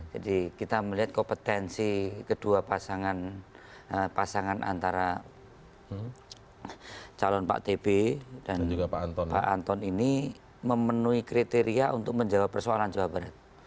jadi kita melihat kompetensi kedua pasangan antara calon pak t b dan pak anton ini memenuhi kriteria untuk menjawab persoalan jawa barat